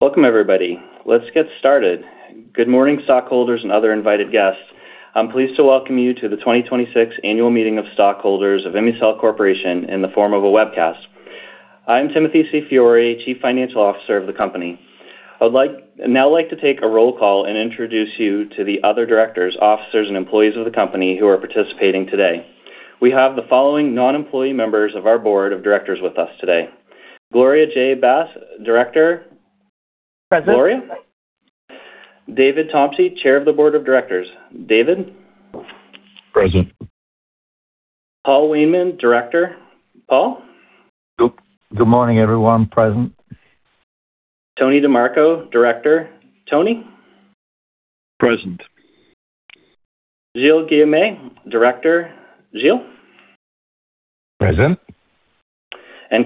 Welcome, everybody. Let's get started. Good morning, stockholders and other invited guests. I'm pleased to welcome you to the 2026 Annual Meeting of Stockholders of ImmuCell Corporation in the form of a webcast. I am Timothy C. Fiori, Chief Financial Officer of the company. I would now like to take a roll call and introduce you to the other directors, officers, and employees of the company who are participating today. We have the following non-employee members of our board of directors with us today. Gloria J. Basse, Director. Present. Gloria? David Tomsche, Chair of the Board of Directors. David? Present. Paul Wainman, Director. Paul? Good morning, everyone. Present. Anthony DiMarco, Director. Tony? Present. Gilles Guillemette, Director. Gilles? Present.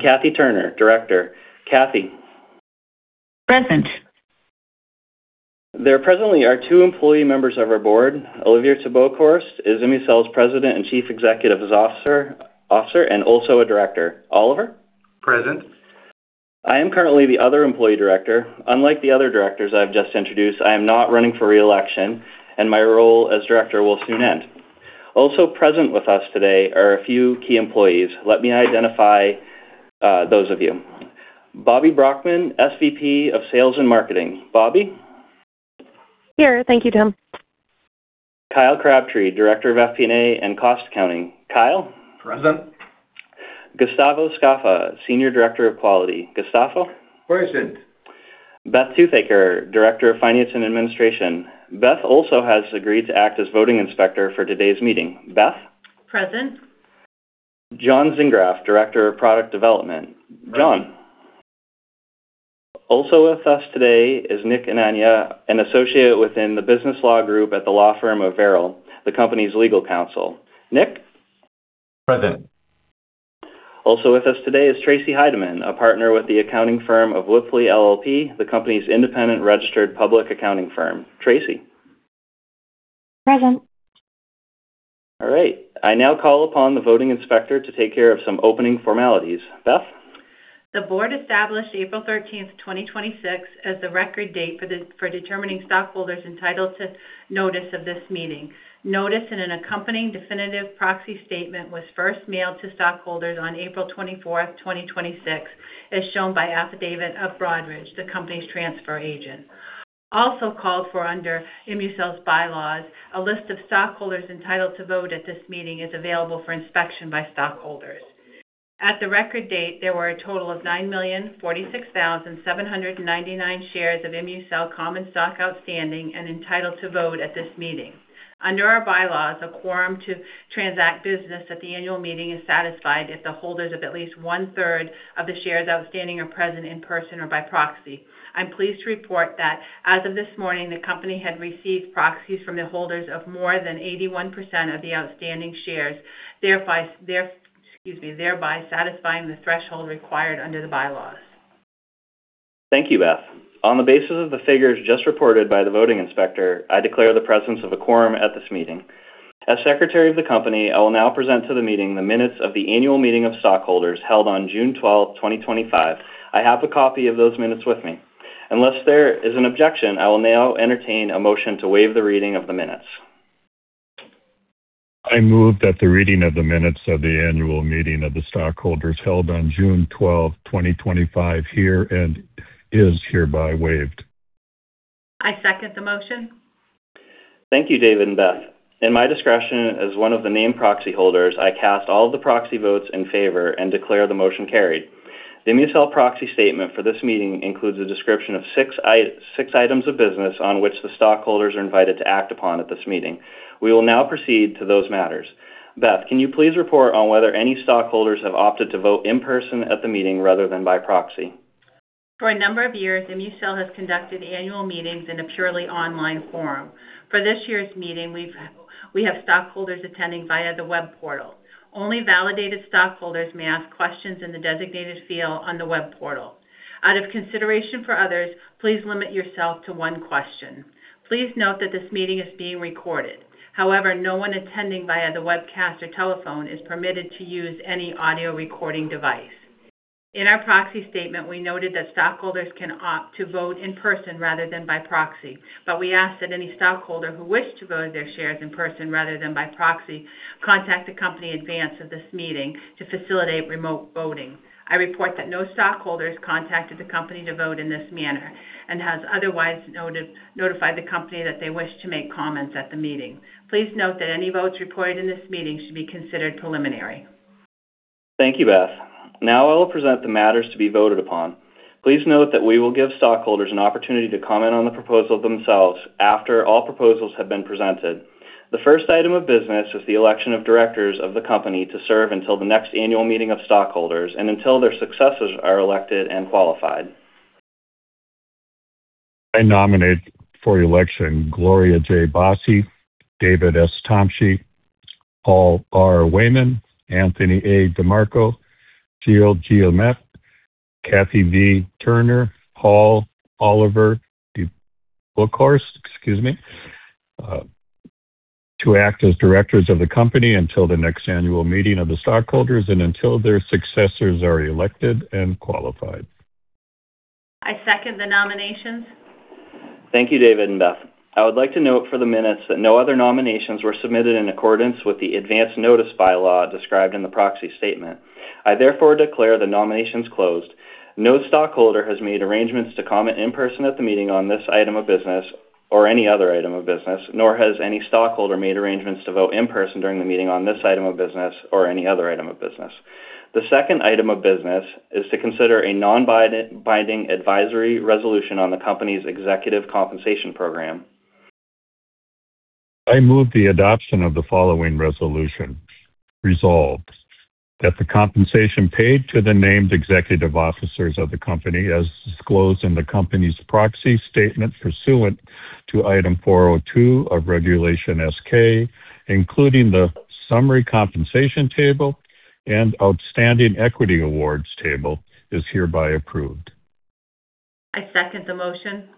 Kathy Turner, Director. Kathy? Present. There presently are two employee members of our board. Olivier te Boekhorst is ImmuCell's President and Chief Executive Officer, and also a Director. Olivier? Present. I am currently the other employee director. Unlike the other directors I've just introduced, I am not running for re-election, and my role as director will soon end. Also present with us today are a few key employees. Let me identify those of you. Bobbi Brockmann, SVP of Sales and Marketing. Bobbi? Here. Thank you, Tim. Kyle Crabtree, Director of FP&A and Cost Accounting. Kyle? Present. Gustavo Scoffa, Senior Director of Quality. Gustavo? Present. Beth Toothaker, Director of Finance and Administration. Beth also has agreed to act as voting inspector for today's meeting. Beth? Present. John Zingraf, Director of Product Development. John? Present. Also with us today is Nicholas Anania, an associate within the business law group at the law firm of Verrill, the company's legal counsel. Nick? Present. Also with us today is Tracy Heideman, a partner with the accounting firm of Wipfli LLP, the company's independent registered public accounting firm. Tracy? Present. All right. I now call upon the voting inspector to take care of some opening formalities. Beth? The board established April 13th, 2026, as the record date for determining stockholders entitled to notice of this meeting. Notice in an accompanying definitive proxy statement was first mailed to stockholders on April 24th, 2026, as shown by affidavit of Broadridge, the company's transfer agent. Also called for under ImmuCell's bylaws, a list of stockholders entitled to vote at this meeting is available for inspection by stockholders. At the record date, there were a total of 9,046,799 shares of ImmuCell common stock outstanding and entitled to vote at this meeting. Under our bylaws, a quorum to transact business at the annual meeting is satisfied if the holders of at least one-third of the shares outstanding are present in person or by proxy. I'm pleased to report that as of this morning, the company had received proxies from the holders of more than 81% of the outstanding shares, thereby satisfying the threshold required under the bylaws. Thank you, Beth. On the basis of the figures just reported by the voting inspector, I declare the presence of a quorum at this meeting. As secretary of the company, I will now present to the meeting the minutes of the annual meeting of stockholders held on June 12th, 2025. I have a copy of those minutes with me. Unless there is an objection, I will now entertain a motion to waive the reading of the minutes. I move that the reading of the minutes of the annual meeting of the stockholders held on June 12th, 2025 here and is hereby waived. I second the motion. Thank you, David and Beth. In my discretion as one of the named proxy holders, I cast all of the proxy votes in favor and declare the motion carried. The ImmuCell proxy statement for this meeting includes a description of six items of business on which the stockholders are invited to act upon at this meeting. We will now proceed to those matters. Beth, can you please report on whether any stockholders have opted to vote in person at the meeting rather than by proxy? For a number of years, ImmuCell has conducted annual meetings in a purely online forum. For this year's meeting, we have stockholders attending via the web portal. Only validated stockholders may ask questions in the designated field on the web portal. Out of consideration for others, please limit yourself to one question. Please note that this meeting is being recorded. However, no one attending via the webcast or telephone is permitted to use any audio recording device. In our proxy statement, we noted that stockholders can opt to vote in person rather than by proxy. But we ask that any stockholder who wished to vote their shares in person rather than by proxy contact the company in advance of this meeting to facilitate remote voting. I report that no stockholders contacted the company to vote in this manner and has otherwise notified the company that they wish to make comments at the meeting. Please note that any votes reported in this meeting should be considered preliminary. Thank you, Beth. Now I will present the matters to be voted upon. Please note that we will give stockholders an opportunity to comment on the proposal themselves after all proposals have been presented. The first item of business is the election of directors of the company to serve until the next annual meeting of stockholders and until their successors are elected and qualified. I nominate for election Gloria J. Basse, David S. Tomsche, Paul R. Wainman, Anthony A. DiMarco, Gilles Guillemette, Kathy V. Turner, Paul Olivier te Boekhorst. Excuse me. To act as directors of the company until the next annual meeting of the stockholders and until their successors are elected and qualified. I second the nominations. Thank you, David and Beth. I would like to note for the minutes that no other nominations were submitted in accordance with the advance notice bylaw described in the proxy statement. I therefore declare the nominations closed. No stockholder has made arrangements to comment in person at the meeting on this item of business or any other item of business, nor has any stockholder made arrangements to vote in person during the meeting on this item of business or any other item of business. The second item of business is to consider a non-binding advisory resolution on the company's executive compensation program. I move the adoption of the following resolution. Resolved, that the compensation paid to the named executive officers of the company, as disclosed in the company's proxy statement pursuant to Item 402 of Regulation S-K, including the summary compensation table and outstanding equity awards table, is hereby approved. I second the motion.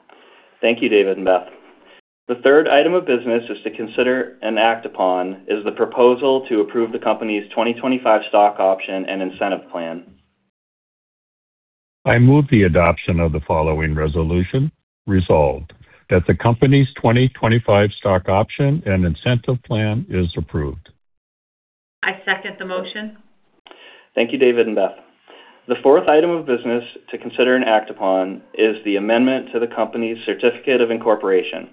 Thank you, David and Beth. The third item of business to consider and act upon is the proposal to approve the company's 2025 Stock Option and Incentive Plan. I move the adoption of the following resolution. Resolved, that the company's 2025 Stock Option and Incentive Plan is approved. I second the motion. Thank you, David and Beth. The fourth item of business to consider and act upon is the amendment to the company's certificate of incorporation.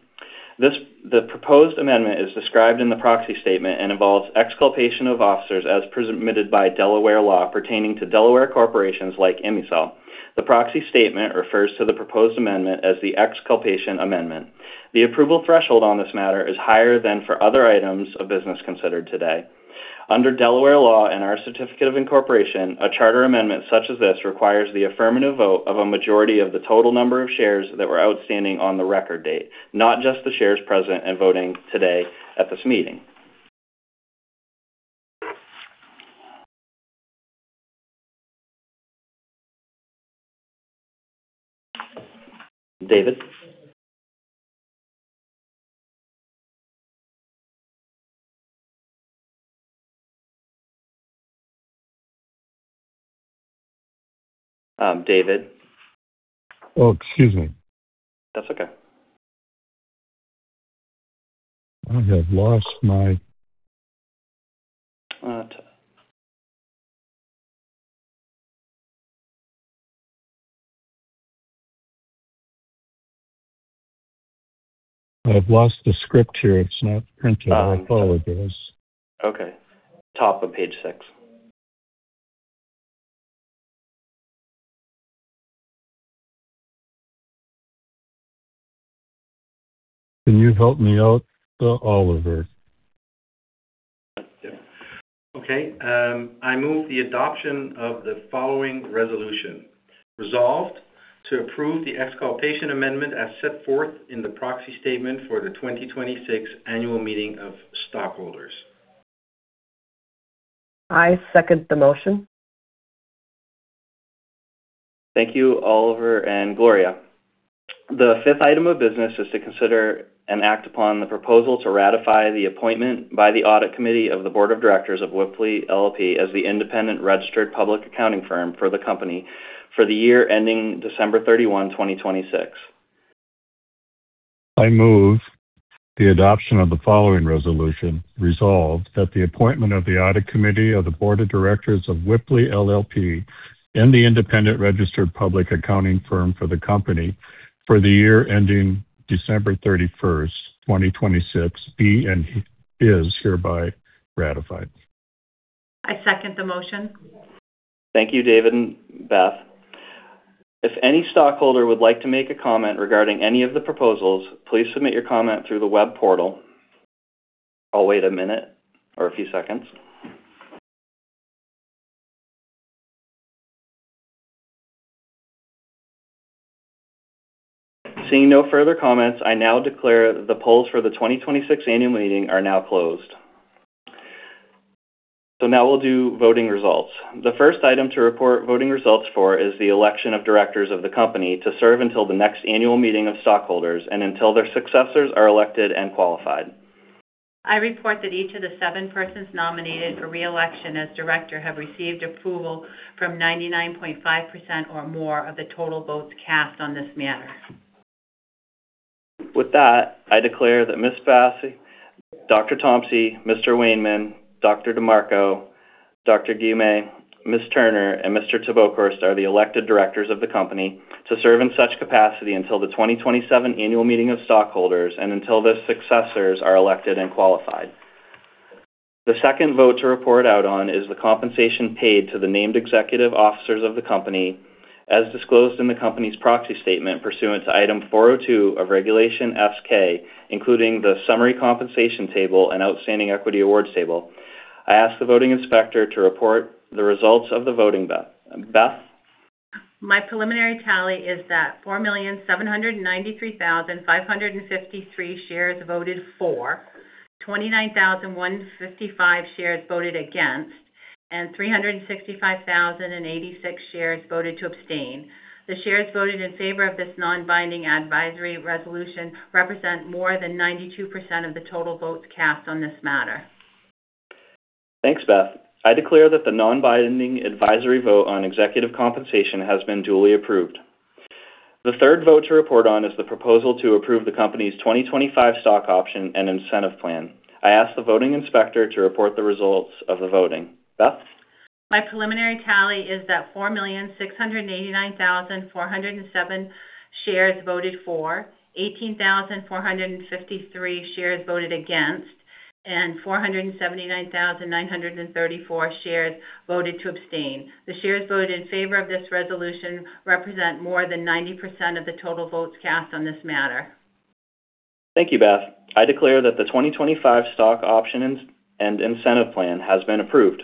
The proposed amendment is described in the proxy statement and involves exculpation of officers as permitted by Delaware law pertaining to Delaware corporations like ImmuCell. The proxy statement refers to the proposed amendment as the Exculpation Amendment. The approval threshold on this matter is higher than for other items of business considered today. Under Delaware law and our certificate of incorporation, a charter amendment such as this requires the affirmative vote of a majority of the total number of shares that were outstanding on the record date, not just the shares present and voting today at this meeting. David? David? Oh, excuse me. That's okay. I have lost my All right. I've lost the script here. It's not printed. I thought it was. Okay. Top of page six. Can you help me out, Olivier? Yeah. Okay. I move the adoption of the following resolution. Resolved, to approve the Exculpation Amendment as set forth in the proxy statement for the 2026 annual meeting of stockholders. I second the motion. Thank you, Olivier and Gloria. The fifth item of business is to consider and act upon the proposal to ratify the appointment by the audit committee of the board of directors of Wipfli LLP as the independent registered public accounting firm for the company for the year ending December 31, 2026. I move the adoption of the following resolution. Resolved, that the appointment of the audit committee of the board of directors of Wipfli LLP and the independent registered public accounting firm for the company for the year ending December 31st, 2026, be and is hereby ratified. I second the motion. Thank you, David and Beth. If any stockholder would like to make a comment regarding any of the proposals, please submit your comment through the web portal. I'll wait a minute or a few seconds. Seeing no further comments, I now declare the polls for the 2026 annual meeting are now closed. Now we'll do voting results. The first item to report voting results for is the election of directors of the company to serve until the next annual meeting of stockholders and until their successors are elected and qualified. I report that each of the seven persons nominated for re-election as director have received approval from 99.5% or more of the total votes cast on this matter. With that, I declare that Ms. Basse, Dr. Tomsche, Mr. Wainman, Dr. DiMarco, Dr. Guillemette, Ms. Turner, and Mr. te Boekhorst are the elected directors of the company to serve in such capacity until the 2027 annual meeting of stockholders and until the successors are elected and qualified. The second vote to report out on is the compensation paid to the named executive officers of the company, as disclosed in the company's proxy statement pursuant to Item 402 of Regulation S-K, including the summary compensation table and outstanding equity awards table. I ask the voting inspector to report the results of the voting, Beth. My preliminary tally is that 4,793,553 shares voted for, 29,155 shares voted against. 365,086 shares voted to abstain. The shares voted in favor of this non-binding advisory resolution represent more than 92% of the total votes cast on this matter. Thanks, Beth. I declare that the non-binding advisory vote on executive compensation has been duly approved. The third vote to report on is the proposal to approve the company's 2025 Stock Option and Incentive Plan. I ask the voting inspector to report the results of the voting. Beth? My preliminary tally is that 4,689,407 shares voted for, 18,453 shares voted against, and 479,934 shares voted to abstain. The shares voted in favor of this resolution represent more than 90% of the total votes cast on this matter. Thank you, Beth. I declare that the 2025 Stock Option and Incentive Plan has been approved.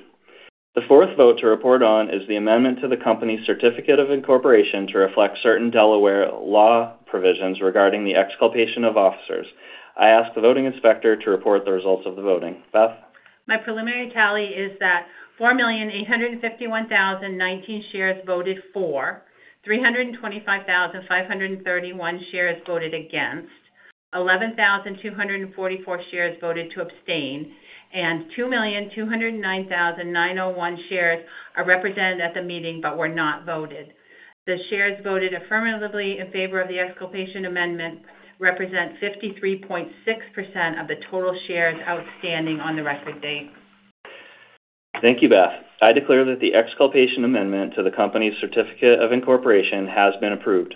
The fourth vote to report on is the amendment to the company's certificate of incorporation to reflect certain Delaware law provisions regarding the exculpation of officers. I ask the voting inspector to report the results of the voting. Beth? My preliminary tally is that 4,851,019 shares voted for, 325,531 shares voted against, 11,244 shares voted to abstain, and 2,209,901 shares are represented at the meeting but were not voted. The shares voted affirmatively in favor of the Exculpation Amendment represent 53.6% of the total shares outstanding on the record date. Thank you, Beth. I declare that the Exculpation Amendment to the company's certificate of incorporation has been approved.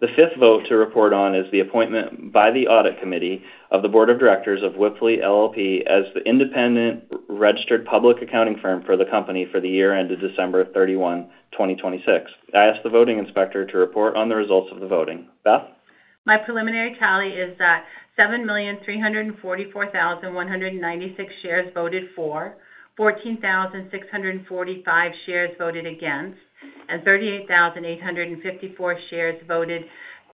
The fifth vote to report on is the appointment by the audit committee of the board of directors of Wipfli LLP as the independent registered public accounting firm for the company for the year ended December 31, 2026. I ask the voting inspector to report on the results of the voting. Beth? My preliminary tally is that 7,344,196 shares voted for, 14,645 shares voted against, and 38,854 shares voted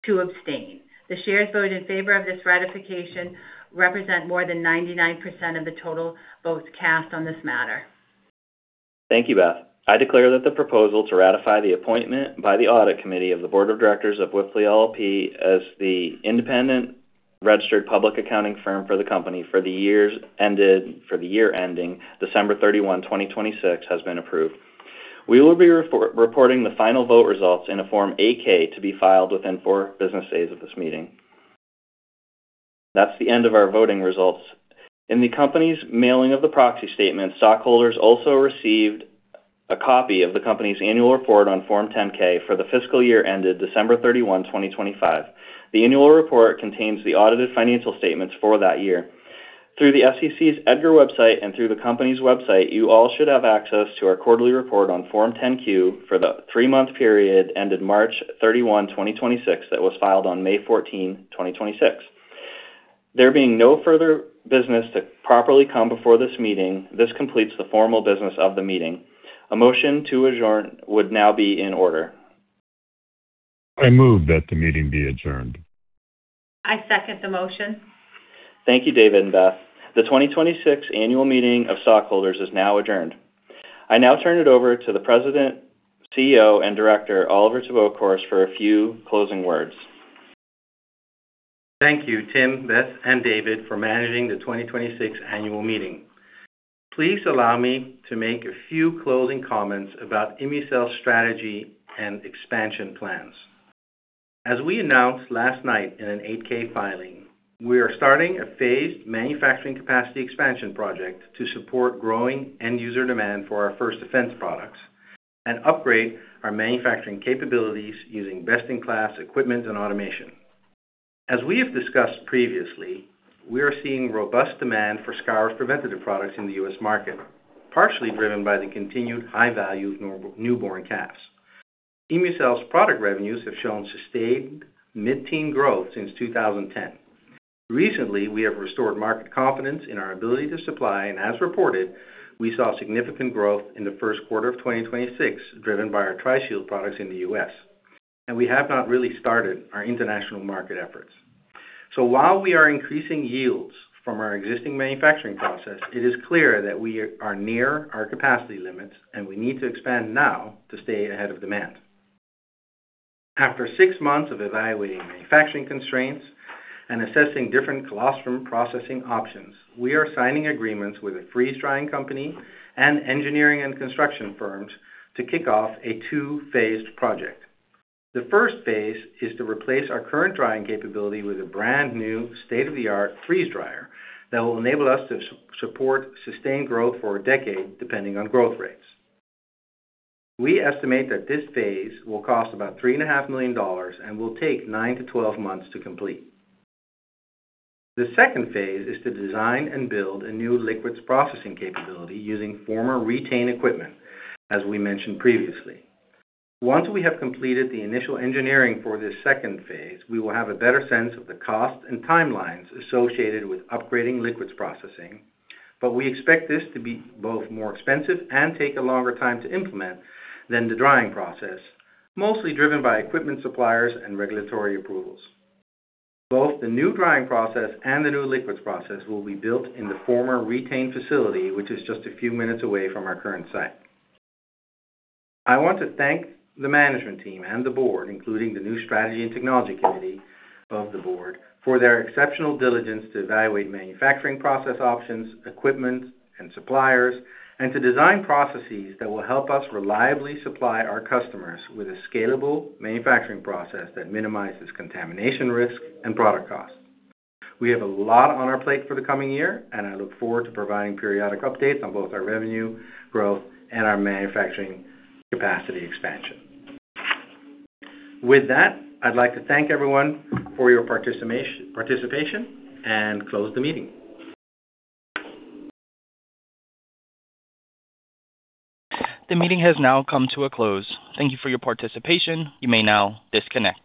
to abstain. The shares voted in favor of this ratification represent more than 99% of the total votes cast on this matter. Thank you, Beth. I declare that the proposal to ratify the appointment by the audit committee of the board of directors of Wipfli LLP as the independent registered public accounting firm for the company for the year ending December 31, 2026, has been approved. We will be reporting the final vote results in a Form 8-K to be filed within four business days of this meeting. That's the end of our voting results. In the company's mailing of the proxy statement, stockholders also received a copy of the company's annual report on Form 10-K for the fiscal year ended December 31, 2025. The annual report contains the audited financial statements for that year. Through the SEC's EDGAR website and through the company's website, you all should have access to our quarterly report on Form 10-Q for the three-month period ended March 31, 2026, that was filed on May 14, 2026. There being no further business to properly come before this meeting, this completes the formal business of the meeting. A motion to adjourn would now be in order. I move that the meeting be adjourned. I second the motion. Thank you, David and Beth. The 2026 annual meeting of stockholders is now adjourned. I now turn it over to the President, CEO, and Director, Olivier te Boekhorst for a few closing words. Thank you, Tim, Beth, and David for managing the 2026 annual meeting. Please allow me to make a few closing comments about ImmuCell's strategy and expansion plans. As we announced last night in an 8-K filing, we are starting a phased manufacturing capacity expansion project to support growing end-user demand for our First Defense products and upgrade our manufacturing capabilities using best-in-class equipment and automation. As we have discussed previously, we are seeing robust demand for scour preventative products in the U.S. market, partially driven by the continued high value of newborn calves. ImmuCell's product revenues have shown sustained mid-teen growth since 2010. Recently, we have restored market confidence in our ability to supply, and as reported, we saw significant growth in the first quarter of 2026, driven by our Tri-Shield products in the U.S. We have not really started our international market efforts. While we are increasing yields from our existing manufacturing process, it is clear that we are near our capacity limits, and we need to expand now to stay ahead of demand. After six months of evaluating manufacturing constraints and assessing different colostrum processing options, we are signing agreements with a freeze-drying company and engineering and construction firms to kick off a two-phased project. The first phase is to replace our current drying capability with a brand-new state-of-the-art freeze dryer that will enable us to support sustained growth for a decade, depending on growth rates. We estimate that this phase will cost about $3.5 million and will take nine to 12 months to complete. The second phase is to design and build a new liquids processing capability using former Re-Tain equipment, as we mentioned previously. Once we have completed the initial engineering for this second phase, we will have a better sense of the cost and timelines associated with upgrading liquids processing. We expect this to be both more expensive and take a longer time to implement than the drying process, mostly driven by equipment suppliers and regulatory approvals. Both the new drying process and the new liquids process will be built in the former Re-Tain facility, which is just a few minutes away from our current site. I want to thank the management team and the board, including the new strategy and technology committee of the board, for their exceptional diligence to evaluate manufacturing process options, equipment and suppliers, and to design processes that will help us reliably supply our customers with a scalable manufacturing process that minimizes contamination risk and product costs. We have a lot on our plate for the coming year. I look forward to providing periodic updates on both our revenue growth and our manufacturing capacity expansion. With that, I'd like to thank everyone for your participation and close the meeting. The meeting has now come to a close. Thank you for your participation. You may now disconnect.